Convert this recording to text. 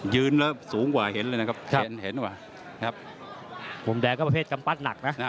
ยืนแล้วสูงกว่าเห็นเลยนะครับเห็นเห็นกว่าครับมุมแดงก็ประเภทกำปั้นหนักนะ